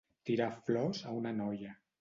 Tirar flors a una noia.